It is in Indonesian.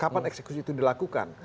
kapan eksekusi itu dilakukan